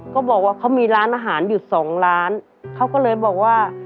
เขาบอกว่าเขามีร้านอาหารอยู่สองร้านเขาก็เลยบอกว่า